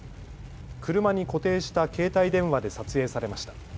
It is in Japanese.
車に固定した携帯電話で撮影されました。